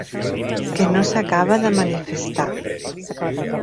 Que no s'acaba de manifestar.